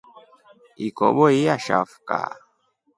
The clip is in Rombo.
Ikobo iashafuka.